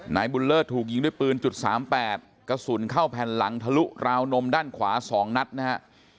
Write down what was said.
นายบุญเลิศถูกยิงด้วยปืน๓๘กระสุนเข้าแผ่นหลังทะลุราวนมด้านขวา๒นัดนะฮะ